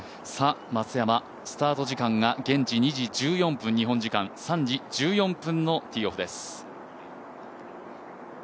松山、スタート時間が日本時間３時１４分のティーオフです